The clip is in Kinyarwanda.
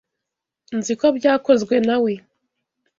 Nzi ko byakozwe na we.